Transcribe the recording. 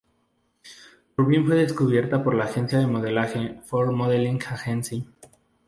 Rubin fue descubierta por la agencia de modelaje "Ford Modeling Agency".